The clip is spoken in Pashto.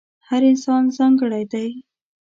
هر انسان ځانګړی دی.